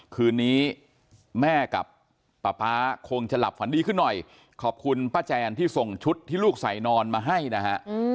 คืนนี้แม่กับป๊าป๊าคงจะหลับฝันดีขึ้นหน่อยขอบคุณป้าแจนที่ส่งชุดที่ลูกใส่นอนมาให้นะฮะ